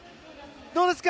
どうですか？